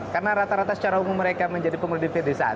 karena rata rata secara umum mereka menjadi pengurus dpd i